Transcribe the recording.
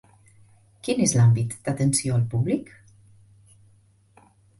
Quin és l'àmbit d'atenció al públic?